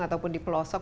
ataupun di pelosok